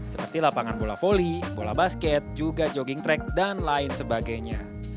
seperti lapangan bola volley bola basket juga jogging track dan lain sebagainya